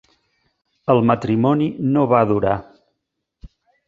El matrimoni no va durar.